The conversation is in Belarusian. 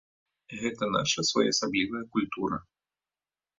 Гэта наша своеасаблівая культура.